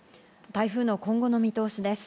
台風の今後の見通しです。